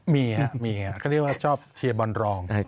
มีครับมีเขาเรียกว่าชอบเชียร์บอลรอง